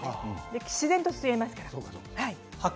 自然と吸えますから。